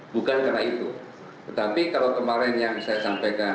bukan karena itu tetapi kalau kemarin yang saya sampaikan